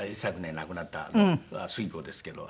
亡くなった椙子ですけど。